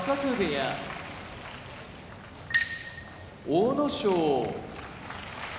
阿武咲